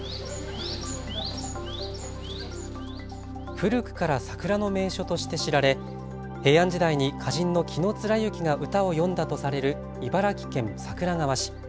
古くから桜の名所として知られ平安時代に歌人の紀貫之が歌を詠んだとされる茨城県桜川市。